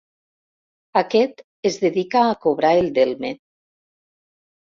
Aquest es dedica a cobrar el delme.